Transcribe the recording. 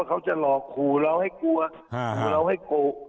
เขาจะหลอกขู่เราให้กลัวเราให้โกะ